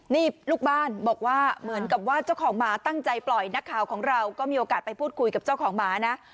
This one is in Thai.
นี่ลูกบ้านบอกว่าเหมือนกับว่าเจ้าของหมาตั้งใจปล่อยนักข่าวของเราก็มีโอกาสไปพูดคุยกับเจ้าของหมานะ